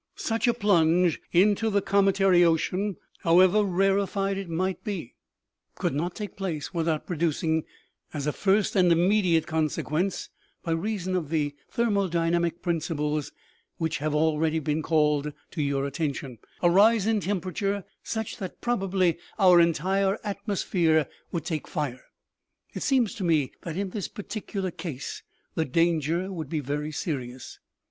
" Such a plunge into the cometary ocean, however ran OMEGA . OMEGA, 63 fied it might be, could not take place without producing as a first and immediate consequence, by reason of the thermodynamic principles which have been just called to your attention, a rise in temperature such that probably our entire atmosphere would take fire ! It seems to me that in this particular case the danger would be very serious.